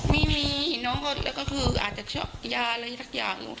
ไม่มีน้องก็แล้วก็คืออาจจะช็อกยาอะไรทักอย่าง